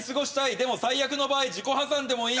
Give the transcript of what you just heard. でも最悪の場合、自己破産でもいい